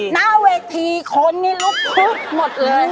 หน้าเวทีคนนี่ลุกพลึบหมดเลย